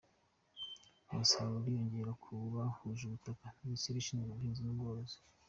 Umusaruro uriyongera ku bahuje ubutaka- Minisiteri ishinzwe ubuhinzi n’ubworozi